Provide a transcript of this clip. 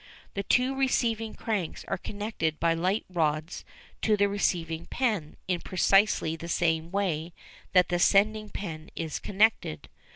The two receiving cranks are connected by light rods to the receiving pen in precisely the same way that the sending pen is connected.